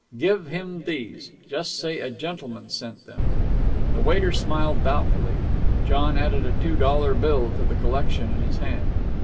"Give him these. Just say a gentleman sent them." The waiter smiled doubtfully. John added a two dollar bill to the collection in his hand.